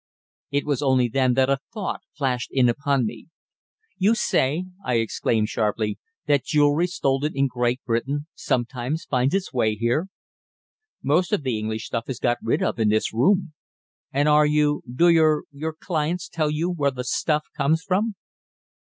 It was only then that a thought flashed in upon me. "You say," I exclaimed sharply, "that jewellery stolen in Great Britain sometimes finds its way here?" "Most of the English stuff is got rid of in this room." "And are you do your your 'clients' tell you where the 'stuff' comes from?"